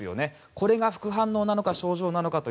これが副反応なのか症状なのか。